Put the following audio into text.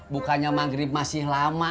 bukannya maghrib masih lama